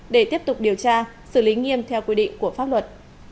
để tiếp tục điều tra xử lý nghiêm theo quy định của pháp luật